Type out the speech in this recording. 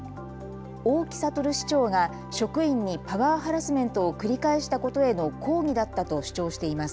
大木哲市長が職員にパワーハラスメントを繰り返したことへの抗議だったと主張しています。